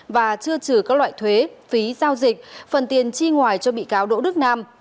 và chưa trừ các loại thuế phí giao dịch phần tiền chi ngoài cho bị cáo đỗ đức nam